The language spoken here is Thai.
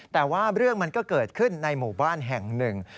แต่ว่าเรื่องมันก็เกิดขึ้นในหมู่บ้านแห่งหนึ่ง